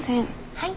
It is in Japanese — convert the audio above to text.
はい。